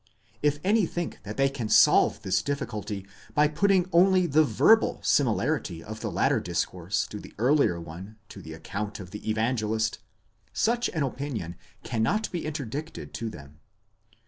If any think that they can solve this difficulty by putting only the verdal similarity of the later discourse to the earlier one to the account of the Evangelist, such an opinion cannot be interdicted to them.